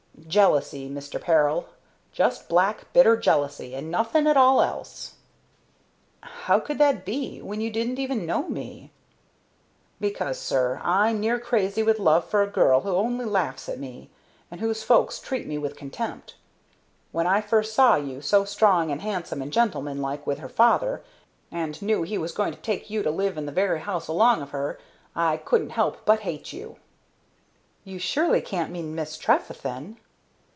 "Jealousy, Mister Peril. Just black, bitter jealousy, and nothing at all else." "How could that be, when you didn't even know me?" "Because, sir, I'm near crazy with love for a girl who only laughs at me, and whose folks treat me with contempt. When I first saw you, so strong and handsome and gentleman like, with her father, and knew he was going to take you to live in the very house along of her, I couldn't help but hate you." "You surely can't mean Miss Trefethen?"